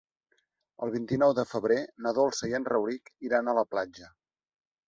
El vint-i-nou de febrer na Dolça i en Rauric iran a la platja.